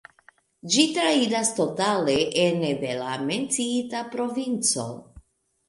Ĝi trairas totale ene de la menciita provinco.